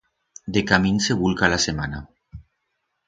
Decamín se vulca la semana.